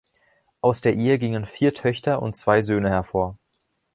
Aus der Ehe gingen vier Töchter und zwei Söhne hervor.